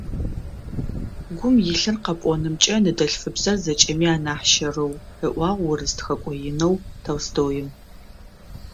Гум илъыр къэпӏонымкӏэ ныдэлъфыбзэр зэкӏэми анахь щэрыу,- ыӏуагъ урыс тхэкӏо инэу Л.Н. Толстоим.